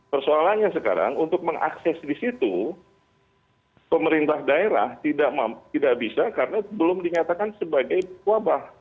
persoalannya sekarang untuk mengakses di situ pemerintah daerah tidak bisa karena belum dinyatakan sebagai wabah